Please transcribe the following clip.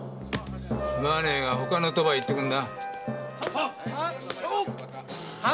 すまねえが他の賭場へ行ってくれ。